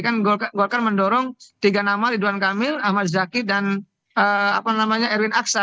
kan golkar mendorong tiga nama ridwan kamil ahmad zaki dan erwin aksa